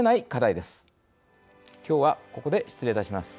きょうはここで失礼いたします。